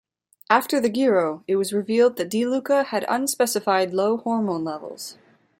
After the Giro, it was revealed that Di Luca had unspecified low hormone levels.